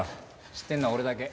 知ってるのは俺だけ。